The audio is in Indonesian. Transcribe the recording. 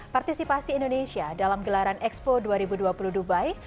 partisipasi indonesia dalam gelaran expo dua ribu dua puluh dubai